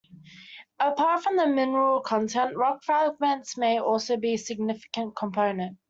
Apart from the mineral content, rock fragments may also be a significant component.